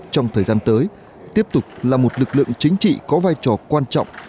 trong thời gian tới tiếp tục là một lực lượng chính trị có vai trò quan trọng